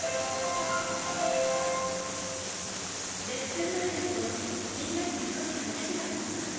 レッスン前だけどみんなに少し話があるわ。